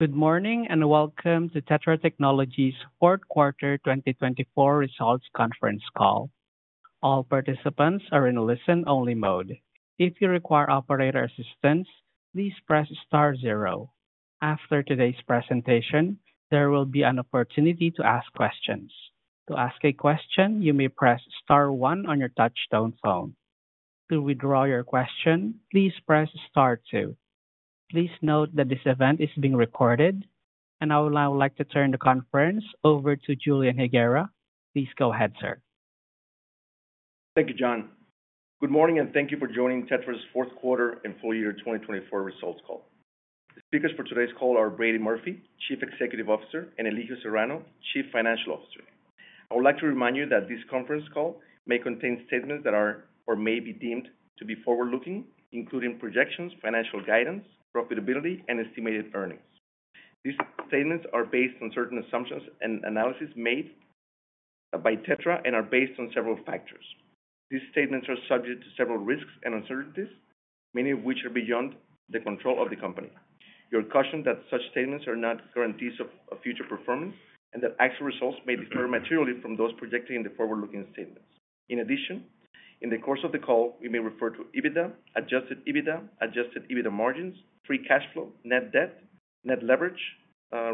Good morning and welcome to TETRA Technologies' Fourth Quarter 2024 Results Conference Call. All participants are in listen-only mode. If you require operator assistance, please press star zero. After today's presentation, there will be an opportunity to ask questions. To ask a question, you may press star one on your touch-tone phone. To withdraw your question, please press star two. Please note that this event is being recorded, and I would now like to turn the conference over to Julian Higuera. Please go ahead, sir. Thank you, John. Good morning and thank you for joining TETRA's Fourth Quarter and Full Year 2024 Results Call. The speakers for today's call are Brady Murphy, Chief Executive Officer, and Elijio Serrano, Chief Financial Officer. I would like to remind you that this conference call may contain statements that are or may be deemed to be forward-looking, including projections, financial guidance, profitability, and estimated earnings. These statements are based on certain assumptions and analysis made by TETRA and are based on several factors. These statements are subject to several risks and uncertainties, many of which are beyond the control of the company. You're cautioned that such statements are not guarantees of future performance and that actual results may differ materially from those projected in the forward-looking statements. In addition, in the course of the call, we may refer to EBITDA, adjusted EBITDA, adjusted EBITDA margins, free cash flow, net debt, net leverage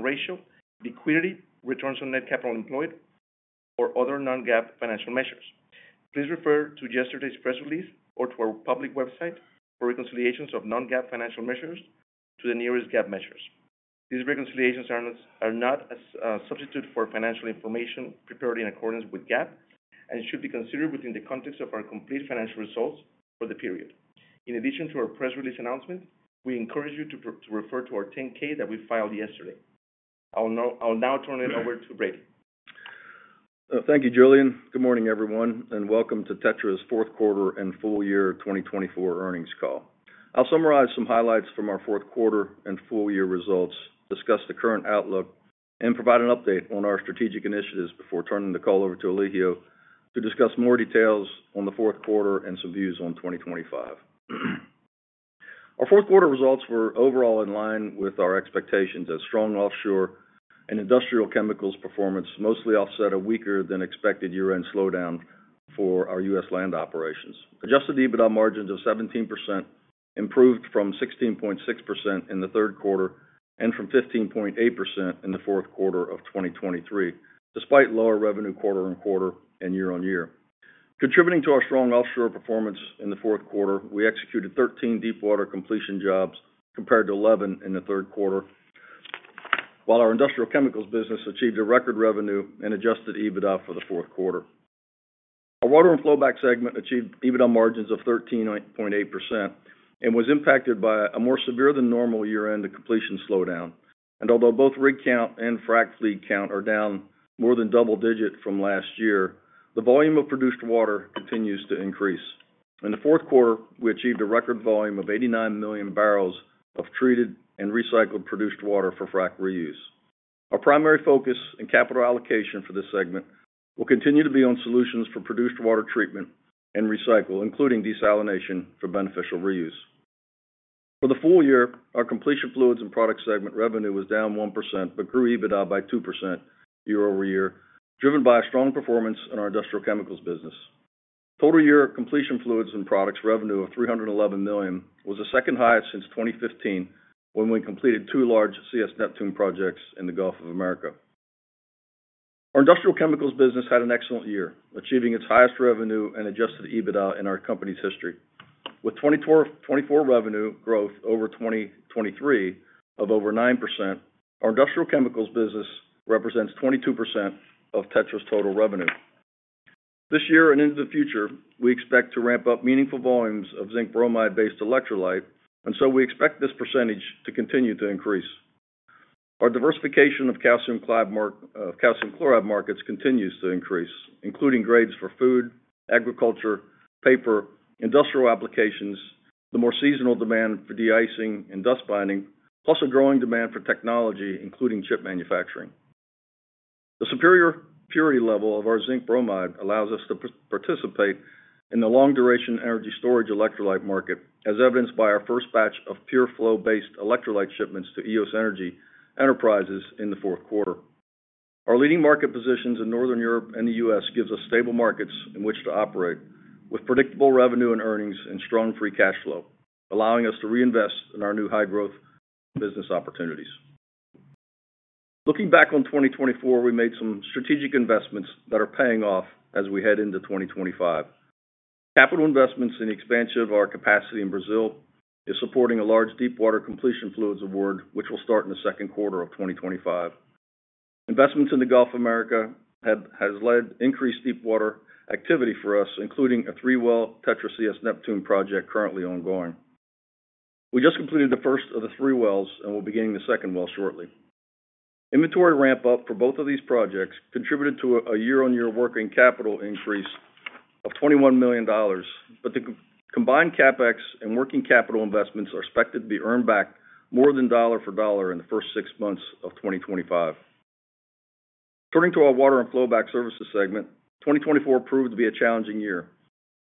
ratio, liquidity, returns on net capital employed, or other non-GAAP financial measures. Please refer to yesterday's press release or to our public website for reconciliations of non-GAAP financial measures to the nearest GAAP measures. These reconciliations are not a substitute for financial information prepared in accordance with GAAP and should be considered within the context of our complete financial results for the period. In addition to our press release announcement, we encourage you to refer to our 10-K that we filed yesterday. I'll now turn it over to Brady. Thank you, Julian. Good morning, everyone, and welcome to TETRA's Fourth Quarter and Full Year 2024 Earnings Call. I'll summarize some highlights from our fourth quarter and full year results, discuss the current outlook, and provide an update on our strategic initiatives before turning the call over to Elijio to discuss more details on the fourth quarter and some views on 2025. Our fourth quarter results were overall in line with our expectations as strong offshore and industrial chemicals performance mostly offset a weaker-than-expected year-end slowdown for our U.S. land operations. Adjusted EBITDA margins of 17% improved from 16.6% in the third quarter and from 15.8% in the fourth quarter of 2023, despite lower revenue quarter on quarter and year-on-year. Contributing to our strong offshore performance in the fourth quarter, we executed 13 deepwater completion jobs compared to 11 in the third quarter, while our industrial chemicals business achieved a record revenue and adjusted EBITDA for the fourth quarter. Our water and flowback segment achieved EBITDA margins of 13.8% and was impacted by a more severe-than-normal year-end completion slowdown, although both rig count and frac fleet count are down more than double-digit from last year, the volume of produced water continues to increase. In the fourth quarter, we achieved a record volume of 89 million barrels of treated and recycled produced water for frac reuse. Our primary focus and capital allocation for this segment will continue to be on solutions for produced water treatment and recycle, including desalination for beneficial reuse. For the full year, our completion fluids and products segment revenue was down 1% but grew EBITDA by 2% year-over-year, driven by a strong performance in our industrial chemicals business. Total year completion fluids and products revenue of $311 million was the second highest since 2015 when we completed two large CS Neptune projects in the Gulf of America. Our industrial chemicals business had an excellent year, achieving its highest revenue and adjusted EBITDA in our company's history. With 2024 revenue growth over 2023 of over 9%, our industrial chemicals business represents 22% of TETRA's total revenue. This year and into the future, we expect to ramp up meaningful volumes of zinc bromide-based electrolyte, and so we expect this percentage to continue to increase. Our diversification of calcium chloride markets continues to increase, including grades for food, agriculture, paper, industrial applications, the more seasonal demand for de-icing and dust binding, plus a growing demand for technology, including chip manufacturing. The superior purity level of our zinc bromide allows us to participate in the long-duration energy storage electrolyte market, as evidenced by our first batch of PureFlow-based electrolyte shipments to Eos Energy Enterprises in the fourth quarter. Our leading market positions in Northern Europe and the U.S. give us stable markets in which to operate, with predictable revenue and earnings and strong free cash flow, allowing us to reinvest in our new high-growth business opportunities. Looking back on 2024, we made some strategic investments that are paying off as we head into 2025. Capital investments in the expansion of our capacity in Brazil are supporting a large deepwater completion fluids award, which will start in the second quarter of 2025. Investments in the Gulf of America have led to increased deepwater activity for us, including a three-well TETRA CS Neptune project currently ongoing. We just completed the first of the three wells and will be beginning the second well shortly. Inventory ramp-up for both of these projects contributed to a year-on-year working capital increase of $21 million, but the combined CapEx and working capital investments are expected to be earned back more than dollar for dollar in the first six months of 2025. Turning to our water and flowback services segment, 2024 proved to be a challenging year.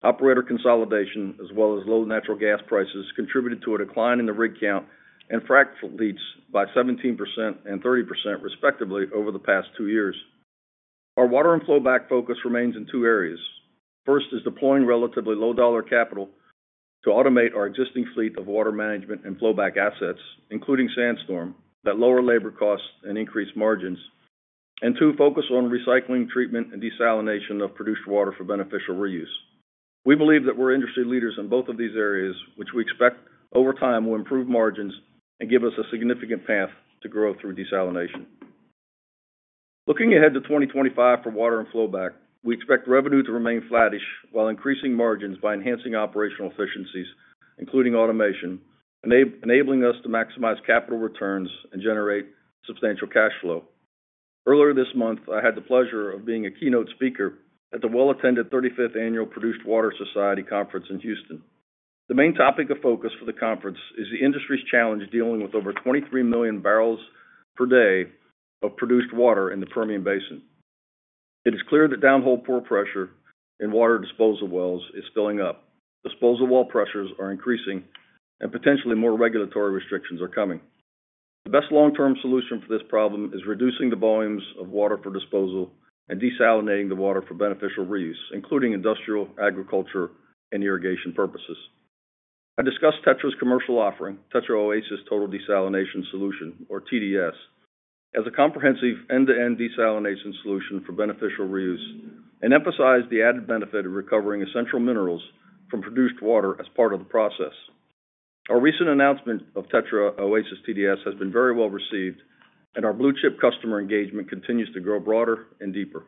Operator consolidation, as well as low natural gas prices, contributed to a decline in the rig count and frac fleets by 17% and 30%, respectively, over the past two years. Our water and flowback focus remains in two areas. First is deploying relatively low-dollar capital to automate our existing fleet of water management and flowback assets, including SandStorm, that lower labor costs and increase margins, and two focus on recycling, treatment, and desalination of produced water for beneficial reuse. We believe that we're industry leaders in both of these areas, which we expect over time will improve margins and give us a significant path to grow through desalination. Looking ahead to 2025 for water and flowback, we expect revenue to remain flattish while increasing margins by enhancing operational efficiencies, including automation, enabling us to maximize capital returns and generate substantial cash flow. Earlier this month, I had the pleasure of being a keynote speaker at the well-attended 35th Annual Produced Water Society Conference in Houston. The main topic of focus for the conference is the industry's challenge dealing with over 23 million barrels per day of produced water in the Permian Basin. It is clear that downhole pore pressure in water disposal wells is filling up. Disposal well pressures are increasing, and potentially more regulatory restrictions are coming. The best long-term solution for this problem is reducing the volumes of water for disposal and desalinating the water for beneficial reuse, including industrial, agriculture, and irrigation purposes. I discussed TETRA's commercial offering, TETRA OASIS Total Desalination Solution, or TDS, as a comprehensive end-to-end desalination solution for beneficial reuse and emphasized the added benefit of recovering essential minerals from produced water as part of the process. Our recent announcement of TETRA OASIS TDS has been very well received, and our blue-chip customer engagement continues to grow broader and deeper.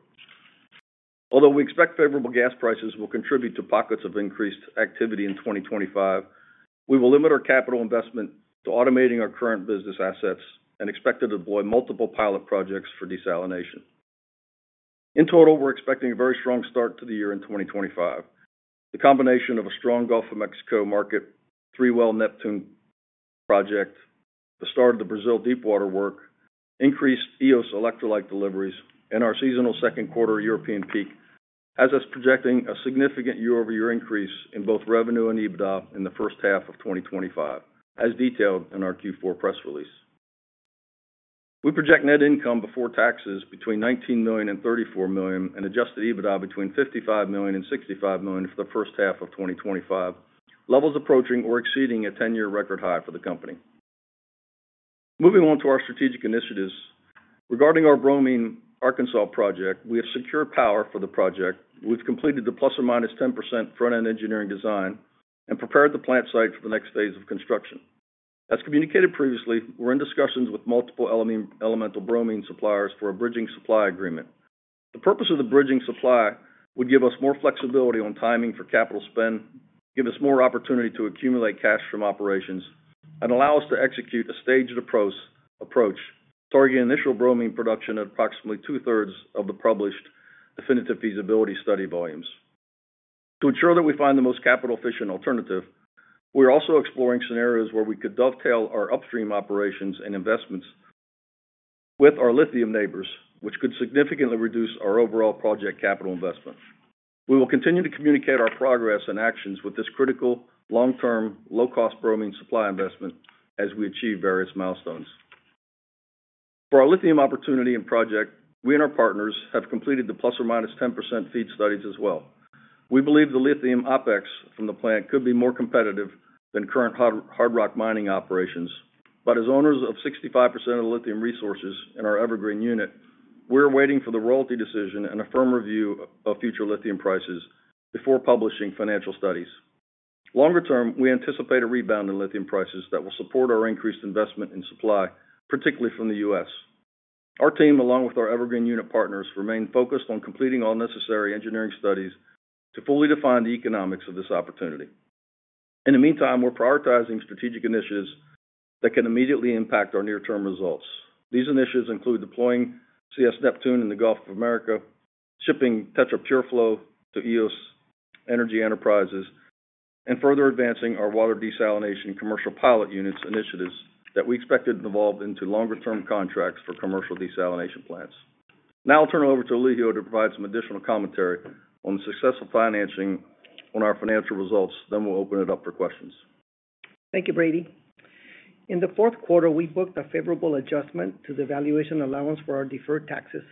Although we expect favorable gas prices will contribute to pockets of increased activity in 2025, we will limit our capital investment to automating our current business assets and expect to deploy multiple pilot projects for desalination. In total, we're expecting a very strong start to the year in 2025. The combination of a strong Gulf of Mexico market, three-well Neptune project, the start of the Brazil deepwater work, increased Eos electrolyte deliveries, and our seasonal second quarter European peak has us projecting a significant year-over-year increase in both revenue and EBITDA in the first half of 2025, as detailed in our Q4 press release. We project net income before taxes between $19 million and $34 million and adjusted EBITDA between $55 million and $65 million for the first half of 2025, levels approaching or exceeding a 10-year record high for the company. Moving on to our strategic initiatives. Regarding our Bromine Arkansas project, we have secured power for the project. We've completed the plus or minus 10% front-end engineering design and prepared the plant site for the next phase of construction. As communicated previously, we're in discussions with multiple elemental bromine suppliers for a bridging supply agreement. The purpose of the bridging supply would give us more flexibility on timing for capital spend, give us more opportunity to accumulate cash from operations, and allow us to execute a staged approach targeting initial bromine production at approximately two-thirds of the published definitive feasibility study volumes. To ensure that we find the most capital-efficient alternative, we're also exploring scenarios where we could dovetail our upstream operations and investments with our lithium neighbors, which could significantly reduce our overall project capital investment. We will continue to communicate our progress and actions with this critical long-term low-cost bromine supply investment as we achieve various milestones. For our lithium opportunity and project, we and our partners have completed the plus or minus 10% FEED studies as well. We believe the lithium OpEx from the plant could be more competitive than current hard rock mining operations, but as owners of 65% of the lithium resources in our Evergreen unit, we're waiting for the royalty decision and a firm review of future lithium prices before publishing financial studies. Longer term, we anticipate a rebound in lithium prices that will support our increased investment in supply, particularly from the U.S. Our team, along with our Evergreen unit partners, remain focused on completing all necessary engineering studies to fully define the economics of this opportunity. In the meantime, we're prioritizing strategic initiatives that can immediately impact our near-term results. These initiatives include deploying CS Neptune in the Gulf of America, shipping TETRA PureFlow to Eos Energy Enterprises, and further advancing our water desalination commercial pilot units initiatives that we expected to evolve into longer-term contracts for commercial desalination plants. Now I'll turn it over to Elijio to provide some additional commentary on the success of financing on our financial results, then we'll open it up for questions. Thank you, Brady. In the fourth quarter, we booked a favorable adjustment to the valuation allowance for our deferred taxes.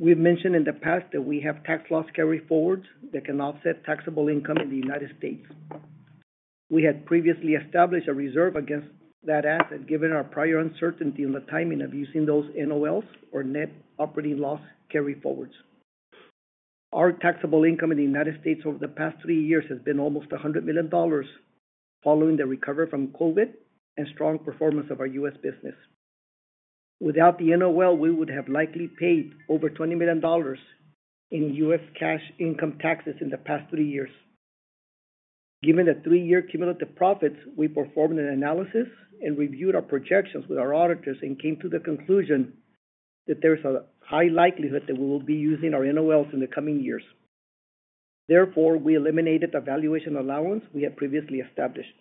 We've mentioned in the past that we have tax loss carry forwards that can offset taxable income in the United States. We had previously established a reserve against that asset given our prior uncertainty on the timing of using those NOLs or net operating loss carry forwards. Our taxable income in the United States over the past three years has been almost $100 million following the recovery from COVID and strong performance of our U.S. business. Without the NOL, we would have likely paid over $20 million in U.S. cash income taxes in the past three years. Given the three-year cumulative profits, we performed an analysis and reviewed our projections with our auditors and came to the conclusion that there is a high likelihood that we will be using our NOLs in the coming years. Therefore, we eliminated the valuation allowance we had previously established.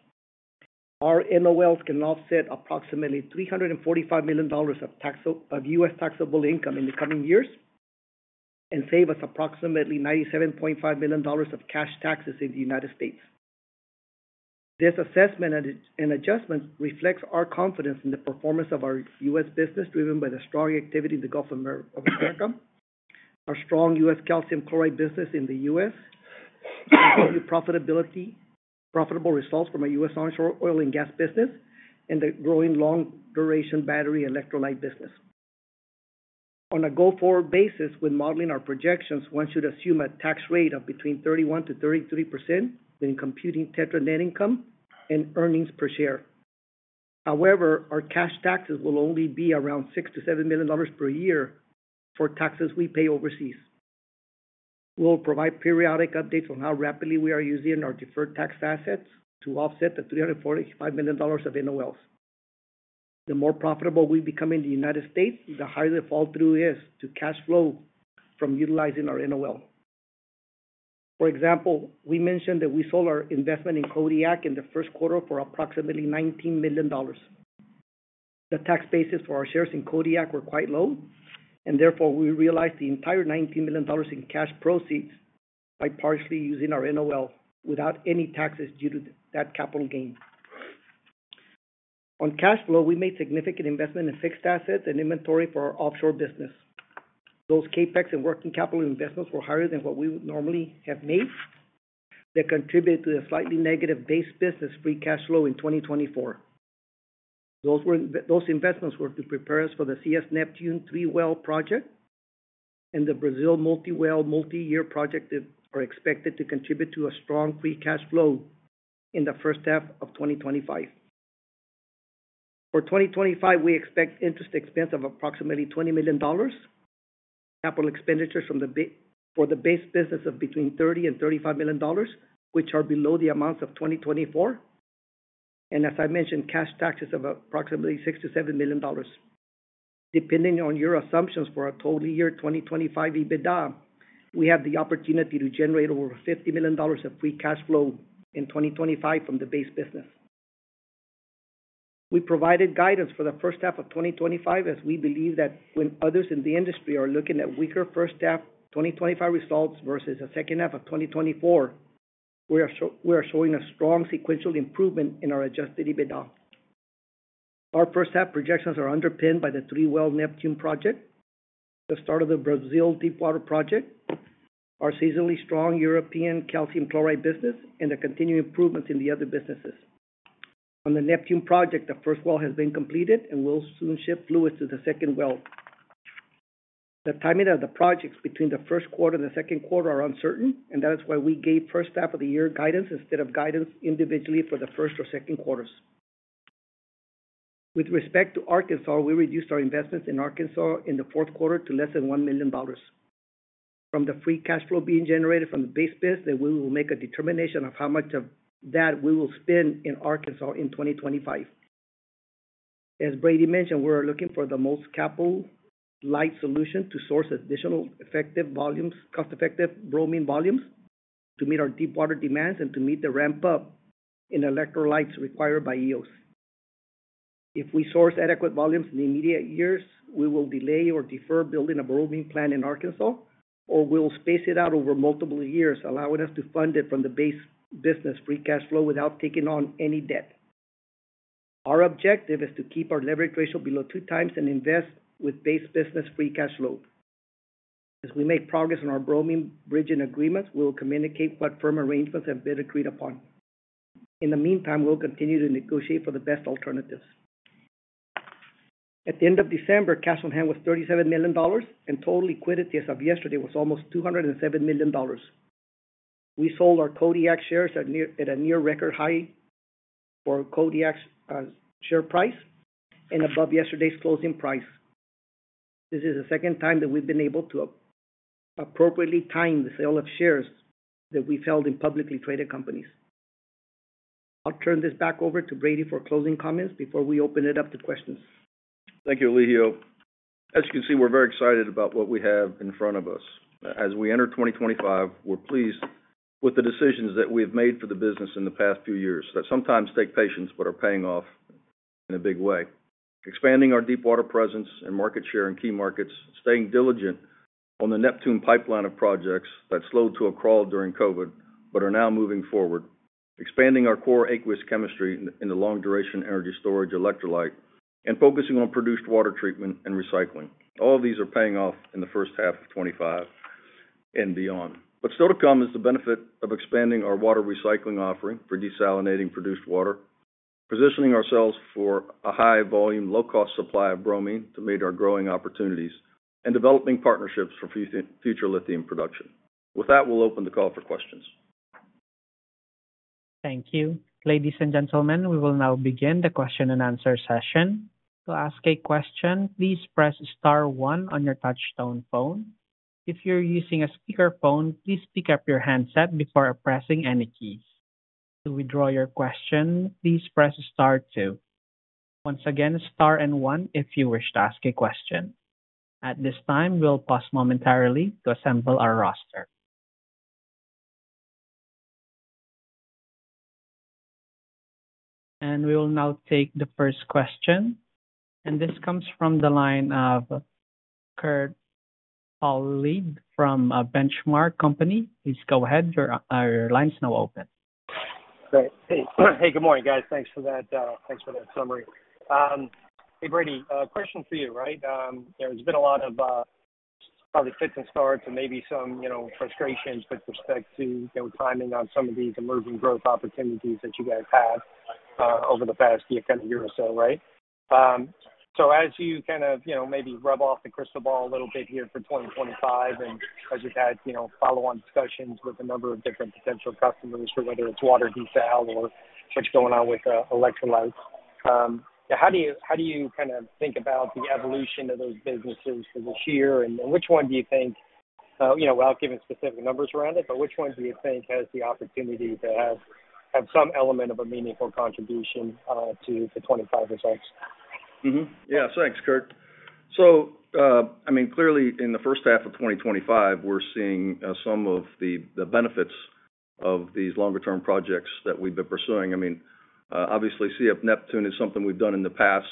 Our NOLs can offset approximately $345 million of U.S. taxable income in the coming years and save us approximately $97.5 million of cash taxes in the United States. This assessment and adjustment reflects our confidence in the performance of our U.S. business driven by the strong activity in the Gulf of America, our strong U.S. calcium chloride business in the U.S., the profitable results from our U.S. onshore oil and gas business, and the growing long-duration battery electrolyte business. On a go-forward basis, when modeling our projections, one should assume a tax rate of between 31%-33% when computing TETRA net income and earnings per share. However, our cash taxes will only be around $6 million-$7 million per year for taxes we pay overseas. We'll provide periodic updates on how rapidly we are using our deferred tax assets to offset the $345 million of NOLs. The more profitable we become in the United States, the higher the fall-through is to cash flow from utilizing our NOL. For example, we mentioned that we sold our investment in Kodiak in the first quarter for approximately $19 million. The tax basis for our shares in Kodiak were quite low, and therefore we realized the entire $19 million in cash proceeds by partially using our NOL without any taxes due to that capital gain. On cash flow, we made significant investment in fixed assets and inventory for our offshore business. Those CapEx and working capital investments were higher than what we normally have made, that contributed to a slightly negative base business free cash flow in 2024. Those investments were to prepare us for the CS Neptune three-well project and the Brazil multi-well, multi-year project that are expected to contribute to a strong free cash flow in the first half of 2025. For 2025, we expect interest expense of approximately $20 million, capital expenditures for the base business of between $30 million and $35 million, which are below the amounts of 2024, and as I mentioned, cash taxes of approximately $6 million to $7 million. Depending on your assumptions for our total year 2025 EBITDA, we have the opportunity to generate over $50 million of free cash flow in 2025 from the base business. We provided guidance for the first half of 2025 as we believe that when others in the industry are looking at weaker first half 2025 results versus the second half of 2024, we are showing a strong sequential improvement in our adjusted EBITDA. Our first half projections are underpinned by the three-well Neptune project, the start of the Brazil deepwater project, our seasonally strong European calcium chloride business, and the continued improvements in the other businesses. On the Neptune project, the first well has been completed and we'll soon ship fluids to the second well. The timing of the projects between the first quarter and the second quarter is uncertain, and that is why we gave first half of the year guidance instead of guidance individually for the first or second quarters. With respect to Arkansas, we reduced our investments in Arkansas in the fourth quarter to less than $1 million. From the free cash flow being generated from the base business, we will make a determination of how much of that we will spend in Arkansas in 2025. As Brady mentioned, we're looking for the most capital-light solution to source additional effective volumes, cost-effective bromine volumes to meet our deepwater demands and to meet the ramp-up in electrolytes required by Eos. If we source adequate volumes in the immediate years, we will delay or defer building a bromine plant in Arkansas, or we'll space it out over multiple years, allowing us to fund it from the base business free cash flow without taking on any debt. Our objective is to keep our leverage ratio below two times and invest with base business free cash flow. As we make progress on our bromine bridging agreements, we'll communicate what firm arrangements have been agreed upon. In the meantime, we'll continue to negotiate for the best alternatives. At the end of December, cash on hand was $37 million, and total liquidity as of yesterday was almost $207 million. We sold our Kodiak shares at a near record high for Kodiak's share price and above yesterday's closing price. This is the second time that we've been able to appropriately time the sale of shares that we've held in publicly traded companies. I'll turn this back over to Brady for closing comments before we open it up to questions. Thank you, Elijio. As you can see, we're very excited about what we have in front of us. As we enter 2025, we're pleased with the decisions that we've made for the business in the past few years that sometimes take patience but are paying off in a big way. Expanding our deepwater presence and market share in key markets, staying diligent on the Neptune pipeline of projects that slowed to a crawl during COVID but are now moving forward, expanding our core aqueous chemistry into long-duration energy storage electrolyte, and focusing on produced water treatment and recycling. All of these are paying off in the first half of 2025 and beyond. But still to come is the benefit of expanding our water recycling offering for desalinating produced water, positioning ourselves for a high-volume, low-cost supply of bromine to meet our growing opportunities, and developing partnerships for future lithium production. With that, we'll open the call for questions. Thank you. Ladies and gentlemen, we will now begin the question and answer session. To ask a question, please press star one on your touch-tone phone. If you're using a speakerphone, please pick up your handset before pressing any keys. To withdraw your question, please press star two. Once again, star and one if you wish to ask a question. At this time, we'll pause momentarily to assemble our roster. And we will now take the first question. And this comes from the line of Kurt Hallead from Benchmark Company. Please go ahead. Your line is now open. Hey, good morning, guys. Thanks for that summary. Hey, Brady, question for you, right? There's been a lot of probably fits and starts and maybe some frustrations with respect to timing on some of these emerging growth opportunities that you guys had over the past year, kind of year or so, right? So as you kind of maybe rub off the crystal ball a little bit here for 2025, and as you've had follow-on discussions with a number of different potential customers for whether it's water desalination or what's going on with electrolytes, how do you kind of think about the evolution of those businesses for this year? And which one do you think, without giving specific numbers around it, but which one do you think has the opportunity to have some element of a meaningful contribution to the 25%? Yeah, thanks, Kurt. So I mean, clearly, in the first half of 2025, we're seeing some of the benefits of these longer-term projects that we've been pursuing. I mean, obviously, CS Neptune is something we've done in the past,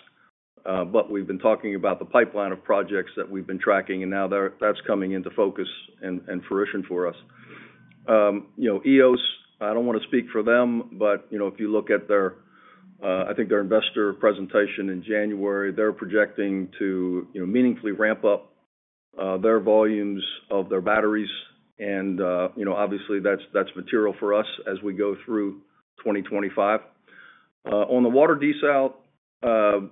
but we've been talking about the pipeline of projects that we've been tracking, and now that's coming into focus and fruition for us. Eos, I don't want to speak for them, but if you look at their, I think their investor presentation in January, they're projecting to meaningfully ramp up their volumes of their batteries. And obviously, that's material for us as we go through 2025. On the water desalination,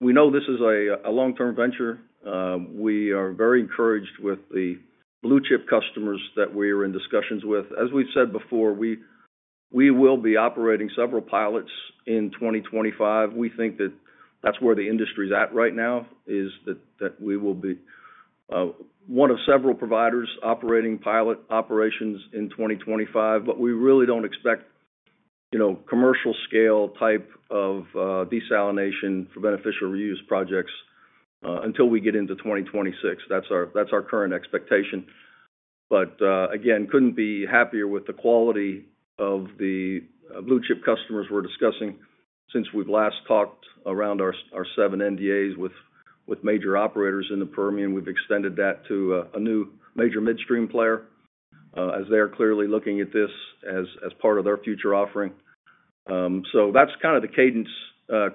we know this is a long-term venture. We are very encouraged with the blue chip customers that we are in discussions with. As we've said before, we will be operating several pilots in 2025. We think that that's where the industry's at right now, is that we will be one of several providers operating pilot operations in 2025, but we really don't expect commercial-scale type of desalination for beneficial reuse projects until we get into 2026. That's our current expectation, but again, couldn't be happier with the quality of the blue chip customers we're discussing. Since we've last talked around our seven NDAs with major operators in the Permian, we've extended that to a new major midstream player as they're clearly looking at this as part of their future offering, so that's kind of the cadence,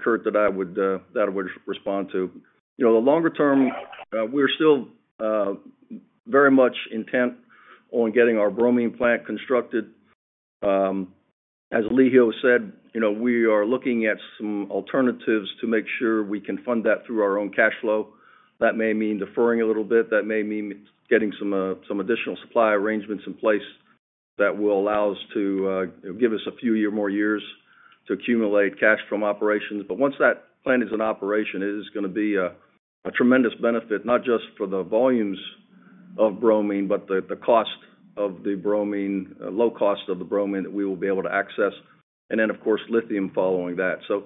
Kurt, that I would respond to. The longer term, we're still very much intent on getting our bromine plant constructed. As Elijio said, we are looking at some alternatives to make sure we can fund that through our own cash flow. That may mean deferring a little bit. That may mean getting some additional supply arrangements in place that will allow us to give us a few more years to accumulate cash from operations. But once that plant is in operation, it is going to be a tremendous benefit, not just for the volumes of bromine, but the cost of the bromine, low cost of the bromine that we will be able to access, and then, of course, lithium following that. So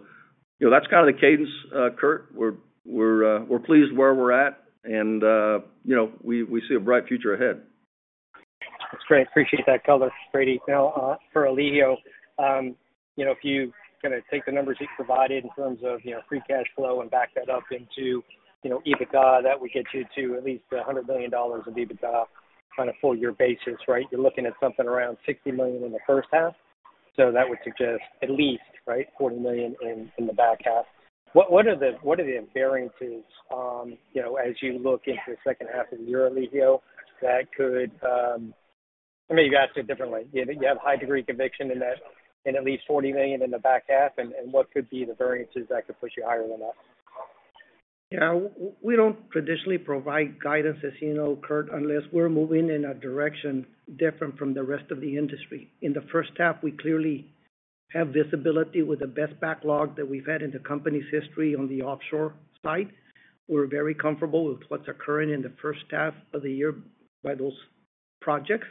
that's kind of the cadence, Kurt. We're pleased where we're at, and we see a bright future ahead. That's great. Appreciate that color. Brady, now for Elijio, if you kind of take the numbers you provided in terms of free cash flow and back that up into EBITDA, that would get you to at least $100 million of EBITDA on a full-year basis, right? You're looking at something around $60 million in the first half. So that would suggest at least $40 million in the back half. What are the variances as you look into the second half of the year, Elijio, that could. I mean, you asked it differently. You have a high degree of conviction in that at least $40 million in the back half, and what could be the variances that could push you higher than that? Yeah. We don't traditionally provide guidance, as you know, Kurt, unless we're moving in a direction different from the rest of the industry. In the first half, we clearly have visibility with the best backlog that we've had in the company's history on the offshore side. We're very comfortable with what's occurring in the first half of the year by those projects.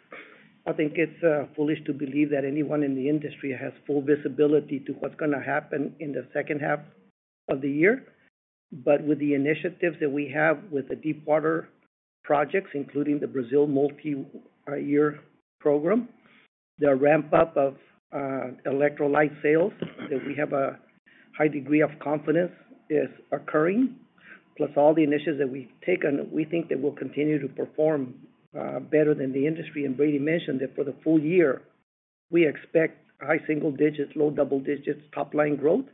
I think it's foolish to believe that anyone in the industry has full visibility to what's going to happen in the second half of the year. But with the initiatives that we have with the deepwater projects, including the Brazil multi-year program, the ramp-up of electrolyte sales that we have a high degree of confidence is occurring, plus all the initiatives that we've taken, we think that we'll continue to perform better than the industry. Brady mentioned that for the full year, we expect high single digits, low double digits top-line growth,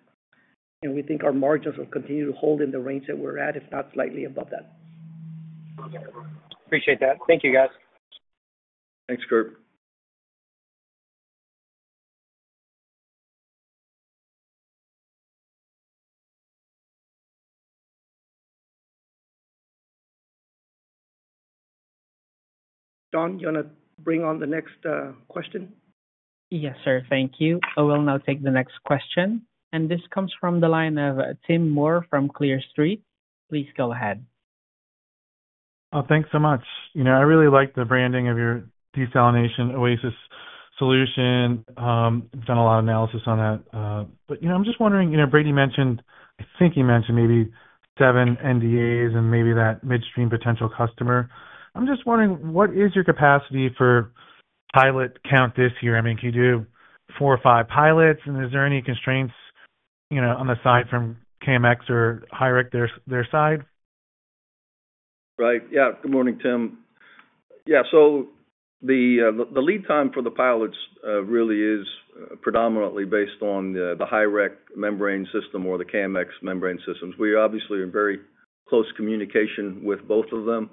and we think our margins will continue to hold in the range that we're at, if not slightly above that. Appreciate that. Thank you, guys. Thanks, Kurt. John, you want to bring on the next question? Yes, sir. Thank you. I will now take the next question. And this comes from the line of Tim Moore from Clear Street. Please go ahead. Thanks so much. I really liked the branding of your desalination oasis solution. We've done a lot of analysis on that. But I'm just wondering, Brady mentioned, I think he mentioned maybe seven NDAs and maybe that midstream potential customer. I'm just wondering, what is your capacity for pilot count this year? I mean, can you do four or five pilots? And is there any constraints on the side from KMX or Hyrec, their side? Right. Yeah. Good morning, Tim. Yeah. So the lead time for the pilots really is predominantly based on the Hyrec membrane system or the KMX membrane systems. We are obviously in very close communication with both of them.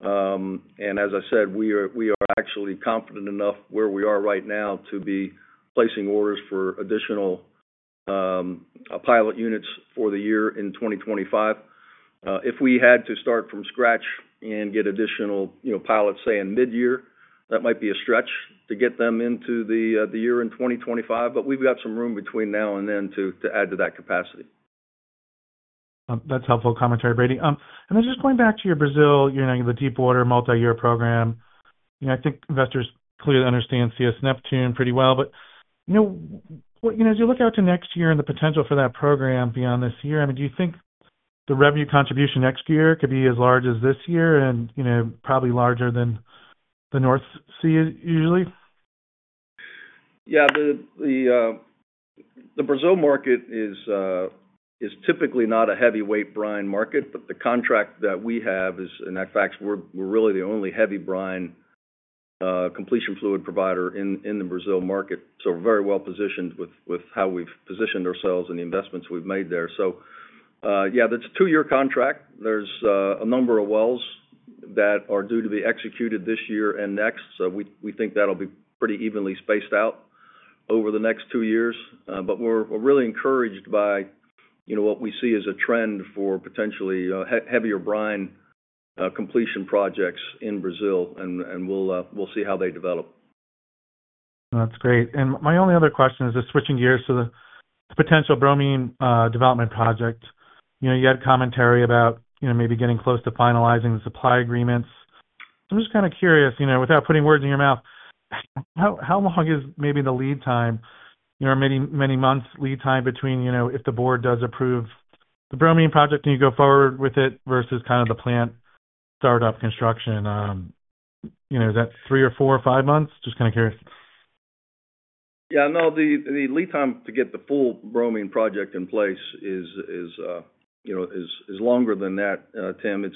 And as I said, we are actually confident enough where we are right now to be placing orders for additional pilot units for the year in 2025. If we had to start from scratch and get additional pilots, say, in mid-year, that might be a stretch to get them into the year in 2025. But we've got some room between now and then to add to that capacity. That's helpful commentary, Brady. And then just going back to your Brazil, the deepwater multi-year program, I think investors clearly understand CS Neptune pretty well. But as you look out to next year and the potential for that program beyond this year, I mean, do you think the revenue contribution next year could be as large as this year and probably larger than the North Sea usually? Yeah. The Brazil market is typically not a heavyweight brine market, but the contract that we have is, in fact, we're really the only heavy brine completion fluid provider in the Brazil market. So we're very well positioned with how we've positioned ourselves and the investments we've made there. So yeah, that's a two-year contract. There's a number of wells that are due to be executed this year and next. So we think that'll be pretty evenly spaced out over the next two years. But we're really encouraged by what we see as a trend for potentially heavier brine completion projects in Brazil, and we'll see how they develop. That's great. And my only other question is just switching gears to the potential bromine development project. You had commentary about maybe getting close to finalizing the supply agreements. I'm just kind of curious, without putting words in your mouth, how long is maybe the lead time or many months lead time between if the board does approve the bromine project and you go forward with it versus kind of the plant startup construction? Is that three or four or five months? Just kind of curious. Yeah. No, the lead time to get the full bromine project in place is longer than that, Tim.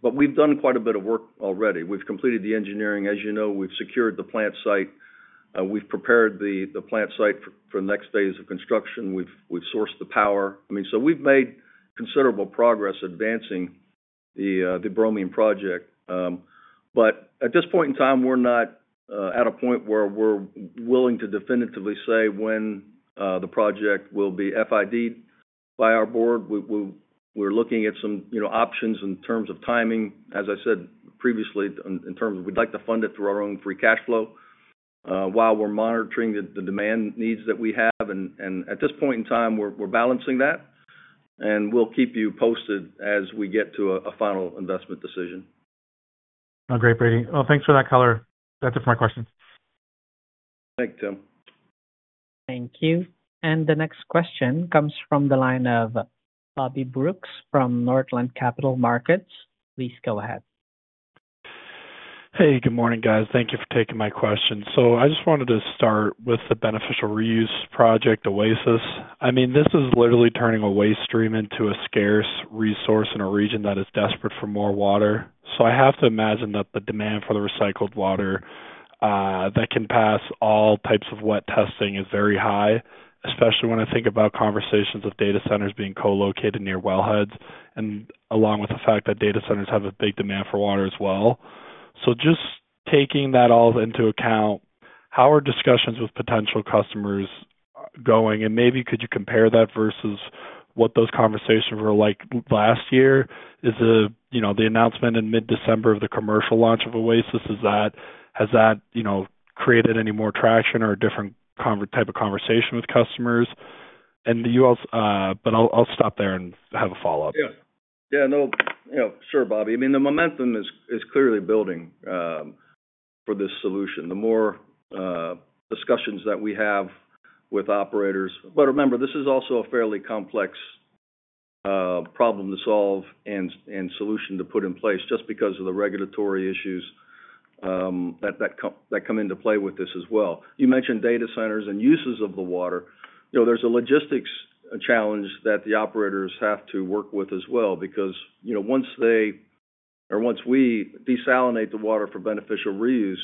But we've done quite a bit of work already. We've completed the engineering, as you know. We've secured the plant site. We've prepared the plant site for the next phase of construction. We've sourced the power. I mean, so we've made considerable progress advancing the bromine project. But at this point in time, we're not at a point where we're willing to definitively say when the project will be FID'd by our board. We're looking at some options in terms of timing. As I said previously, in terms of we'd like to fund it through our own free cash flow while we're monitoring the demand needs that we have. And at this point in time, we're balancing that. And we'll keep you posted as we get to a final investment decision. Great, Brady. Well, thanks for that color. That's it for my questions. Thanks, Tim. Thank you. And the next question comes from the line of Bobby Brooks from Northland Capital Markets. Please go ahead. Hey, good morning, guys. Thank you for taking my question. So I just wanted to start with the beneficial reuse project Oasis. I mean, this is literally turning a waste stream into a scarce resource in a region that is desperate for more water. So I have to imagine that the demand for the recycled water that can pass all types of wet testing is very high, especially when I think about conversations of data centers being co-located near wellheads, and along with the fact that data centers have a big demand for water as well. So just taking that all into account, how are discussions with potential customers going? And maybe could you compare that versus what those conversations were like last year? Is the announcement in mid-December of the commercial launch of Oasis, has that created any more traction or a different type of conversation with customers? And you also. But I'll stop there and have a follow-up. Yeah. Yeah. No, sure, Bobby. I mean, the momentum is clearly building for this solution. The more discussions that we have with operators, but remember, this is also a fairly complex problem to solve and solution to put in place just because of the regulatory issues that come into play with this as well. You mentioned data centers and uses of the water. There's a logistics challenge that the operators have to work with as well because once they or once we desalinate the water for beneficial reuse,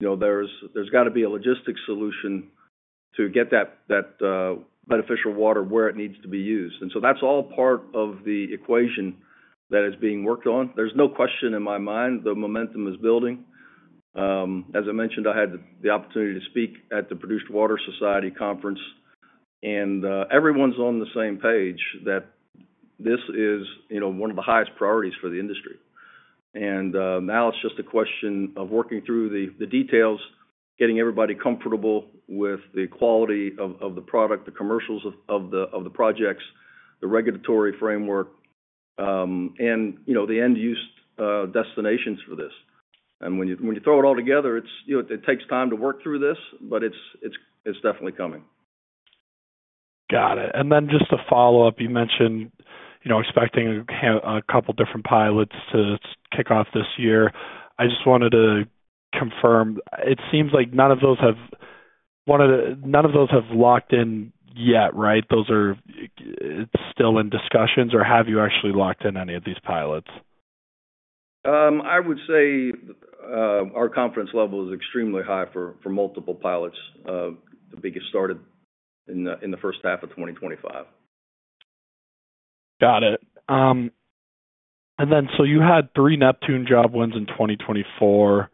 there's got to be a logistics solution to get that beneficial water where it needs to be used. And so that's all part of the equation that is being worked on. There's no question in my mind the momentum is building. As I mentioned, I had the opportunity to speak at the Produced Water Society Conference, and everyone's on the same page that this is one of the highest priorities for the industry, and now it's just a question of working through the details, getting everybody comfortable with the quality of the product, the commercials of the projects, the regulatory framework, and the end-use destinations for this, and when you throw it all together, it takes time to work through this, but it's definitely coming. Got it. And then just to follow up, you mentioned expecting a couple of different pilots to kick off this year. I just wanted to confirm. It seems like none of those have locked in yet, right? It's still in discussions, or have you actually locked in any of these pilots? I would say our confidence level is extremely high for multiple pilots. I think it started in the first half of 2025. Got it. And then so you had three Neptune job wins in 2024.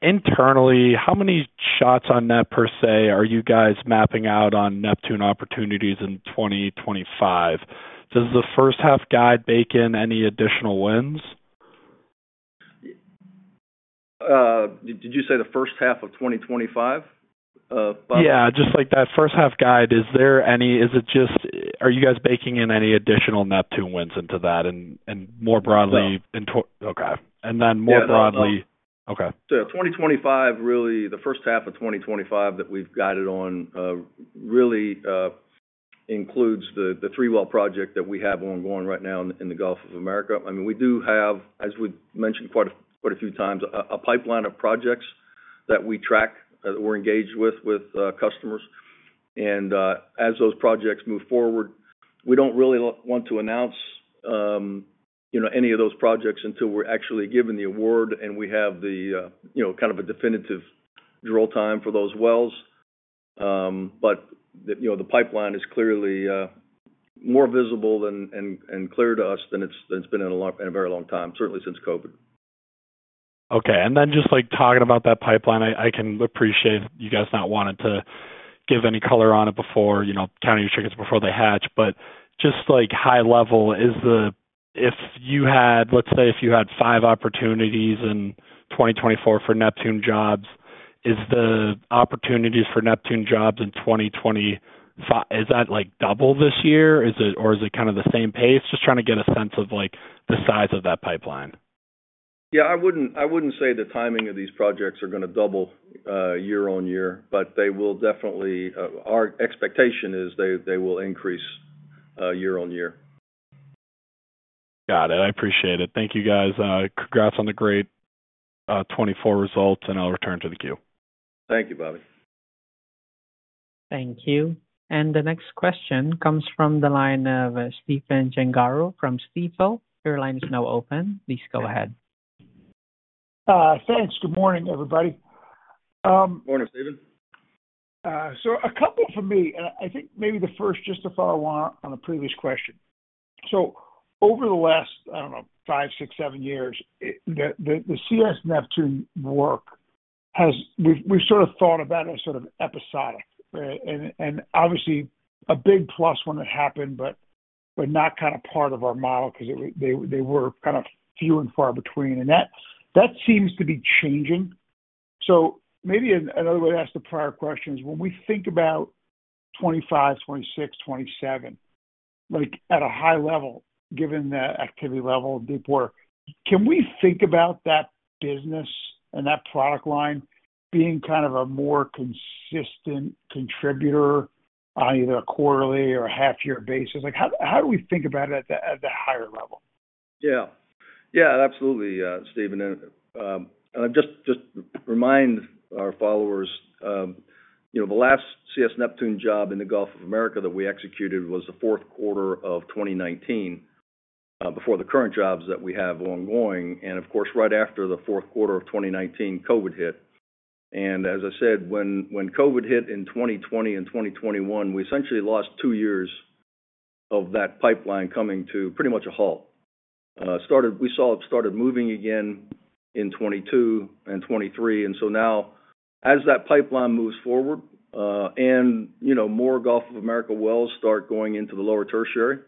Internally, how many shots on net per se are you guys mapping out on Neptune opportunities in 2025? Does the first half guide bake in any additional wins? Did you say the first half of 2025? Yeah. Just like that first half guide, is there any, is it just, are you guys baking in any additional Neptune wins into that? And more broadly. Yes. Okay. And then more broadly. Yes. Okay. So, 2025, really, the first half of 2025 that we've guided on really includes the three-well project that we have ongoing right now in the Gulf of America. I mean, we do have, as we've mentioned quite a few times, a pipeline of projects that we track, that we're engaged with, with customers. And as those projects move forward, we don't really want to announce any of those projects until we're actually given the award and we have kind of a definitive drill time for those wells. But the pipeline is clearly more visible and clear to us than it's been in a very long time, certainly since COVID. Okay. And then just talking about that pipeline, I can appreciate you guys not wanting to give any color on it before, counting your chickens before they hatch. But just high level, if you had, let's say if you had five opportunities in 2024 for Neptune jobs, is the opportunities for Neptune jobs in 2025, is that double this year? Or is it kind of the same pace? Just trying to get a sense of the size of that pipeline. Yeah. I wouldn't say the timing of these projects are going to double year-on-year, but they will definitely, our expectation is they will increase year-on-year. Got it. I appreciate it. Thank you, guys. Congrats on the great 2024 results, and I'll return to the queue. Thank you, Bobby. Thank you. And the next question comes from the line of Stephen Gengaro from Stifel. Your line is now open. Please go ahead. Thanks. Good morning, everybody. Morning, Stephen. So a couple for me, and I think maybe the first just to follow on a previous question. So over the last, I don't know, five, six, seven years, the CS Neptune work has, we've sort of thought about it as sort of episodic, right? And obviously, a big plus when it happened, but not kind of part of our model because they were kind of few and far between. And that seems to be changing. So maybe another way to ask the prior question is when we think about 2025, 2026, 2027, at a high level, given the activity level, deepwater, can we think about that business and that product line being kind of a more consistent contributor on either a quarterly or a half-year basis? How do we think about it at the higher level? Yeah. Yeah. Absolutely, Stephen. I just remind our followers, the last CS Neptune job in the Gulf of America that we executed was the fourth quarter of 2019 before the current jobs that we have ongoing. Of course, right after the fourth quarter of 2019, COVID hit. As I said, when COVID hit in 2020 and 2021, we essentially lost two years of that pipeline coming to pretty much a halt. We saw it started moving again in 2022 and 2023. So now, as that pipeline moves forward and more Gulf of America wells start going into the lower tertiary,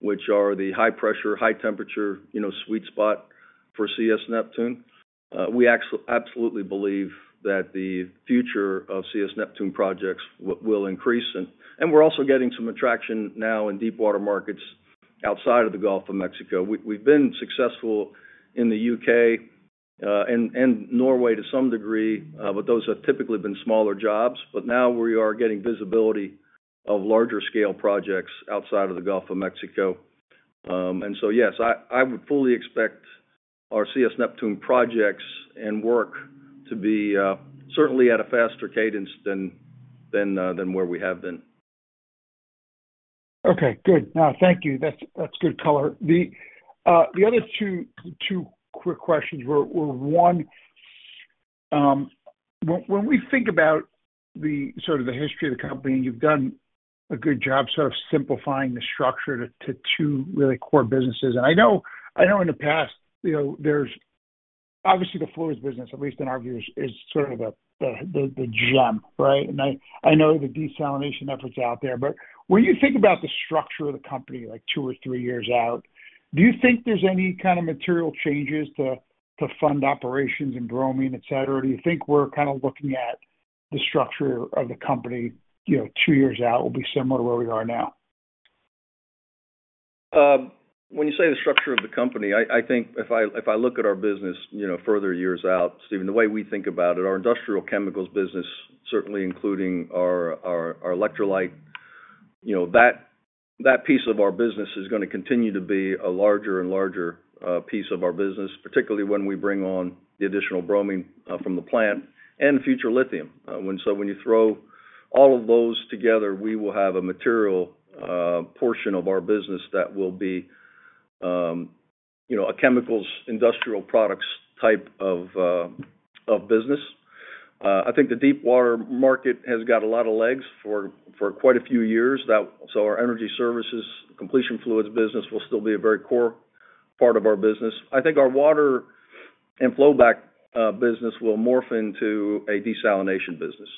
which are the high-pressure, high-temperature sweet spot for CS Neptune, we absolutely believe that the future of CS Neptune projects will increase. We're also getting some traction now in deepwater markets outside of the Gulf of Mexico. We've been successful in the U.K. and Norway to some degree, but those have typically been smaller jobs. But now we are getting visibility of larger-scale projects outside of the Gulf of Mexico. And so, yes, I would fully expect our CS Neptune projects and work to be certainly at a faster cadence than where we have been. Okay. Good. Thank you. That's good color. The other two quick questions were one, when we think about sort of the history of the company, you've done a good job sort of simplifying the structure to two really core businesses. And I know in the past, obviously, the fluids business, at least in our view, is sort of the gem, right? And I know the desalination efforts out there. But when you think about the structure of the company two or three years out, do you think there's any kind of material changes to fund operations and bromine, etc.? Or do you think we're kind of looking at the structure of the company two years out will be similar to where we are now? When you say the structure of the company, I think if I look at our business further years out, Stephen, the way we think about it, our industrial chemicals business, certainly including our electrolyte, that piece of our business is going to continue to be a larger and larger piece of our business, particularly when we bring on the additional bromine from the plant and future lithium, so when you throw all of those together, we will have a material portion of our business that will be a chemicals, industrial products type of business. I think the deepwater market has got a lot of legs for quite a few years, so our energy services, completion fluids business will still be a very core part of our business. I think our water and flowback business will morph into a desalination business.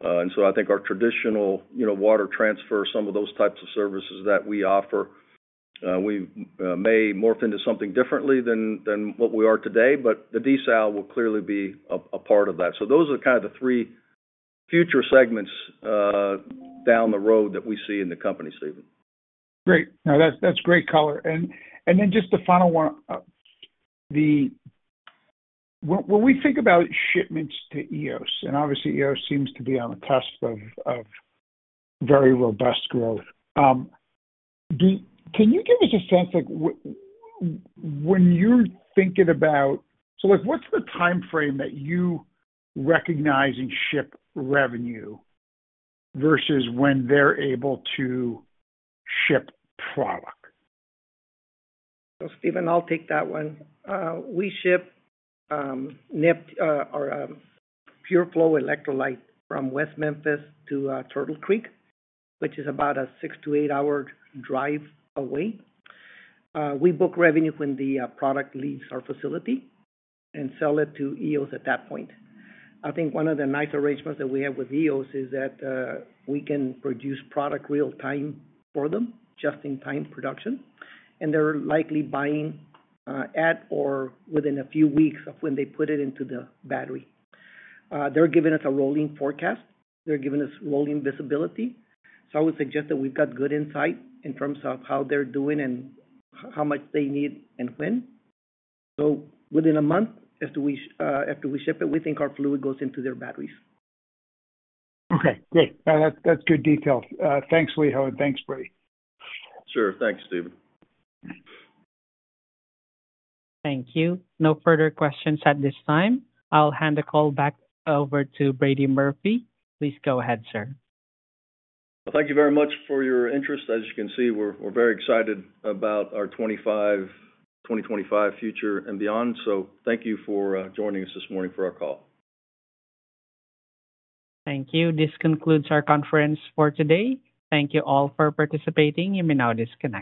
And so I think our traditional water transfer, some of those types of services that we offer, we may morph into something differently than what we are today. But the desal will clearly be a part of that. So those are kind of the three future segments down the road that we see in the company, Stephen. Great. That's great color. And then just the final one. When we think about shipments to Eos, and obviously, Eos seems to be on the cusp of very robust growth, can you give us a sense when you're thinking about, so what's the timeframe that you recognize in ship revenue versus when they're able to ship product? So Stephen, I'll take that one. We ship PureFlow electrolyte from West Memphis to Turtle Creek, which is about a six-to-eight-hour drive away. We book revenue when the product leaves our facility and sell it to Eos at that point. I think one of the nice arrangements that we have with Eos is that we can produce product real-time for them, just-in-time production. And they're likely buying at or within a few weeks of when they put it into the battery. They're giving us a rolling forecast. They're giving us rolling visibility. So I would suggest that we've got good insight in terms of how they're doing and how much they need and when. So within a month, after we ship it, we think our fluid goes into their batteries. Okay. Great. That's good details. Thanks, Elijio, and thanks, Brady. Sure. Thanks, Stephen. Thank you. No further questions at this time. I'll hand the call back over to Brady Murphy. Please go ahead, sir. Thank you very much for your interest. As you can see, we're very excited about our 2025 future and beyond. Thank you for joining us this morning for our call. Thank you. This concludes our conference for today. Thank you all for participating. You may now disconnect.